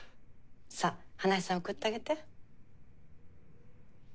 さあ花井さん送ってあげて？